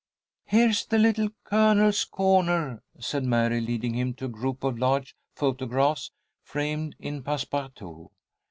"Here's the Little Colonel's corner," said Mary, leading him to a group of large photographs framed in passe partout.